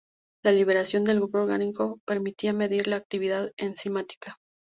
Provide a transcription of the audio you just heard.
La liberación del grupo orgánico permitía medir la actividad enzimática.